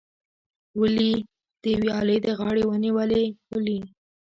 ولي، د ویالې د غاړې ونې ولې ولي؟